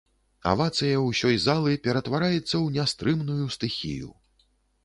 Авацыя ўсёй залы ператвараецца ў нястрымную стыхію.